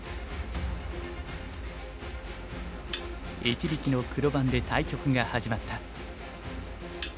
一力の黒番で対局が始まった。